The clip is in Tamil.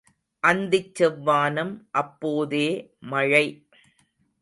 அந்திச் செவ்வானம் அப்போதே மழை.